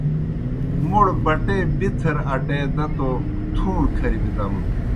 موْڑ بٹے بِتھر اٹے دہ توْ تُھوݨ کھری بِدَم۔